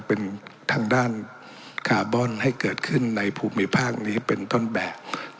เป็นทางด้านคาร์บอนให้เกิดขึ้นในภูมิภาคนี้เป็นต้นแบบ